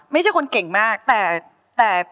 ไม่ใช่คนเก่งมากแต่